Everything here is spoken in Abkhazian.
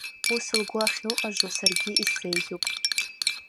Ус лгәы ахьылҟажо саргьы исзеиӷьуп.